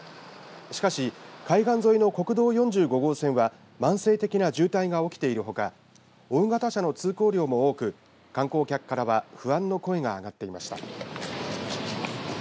しかし海岸沿いの国道４５号線は慢性的な渋滞が起きているほか大型車の通行量も多く観光客からは不安の声が上がっていました。